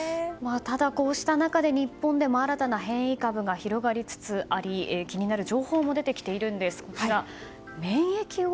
ただ、こうした中で日本でも新たな変異株が広がりつつあり気になる情報も出てきています。